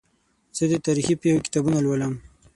زه د تاریخي پېښو کتابونه لولم.